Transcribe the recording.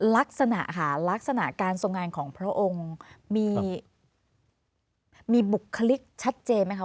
ลักษณะค่ะลักษณะการทรงงานของพระองค์มีบุคลิกชัดเจนไหมคะ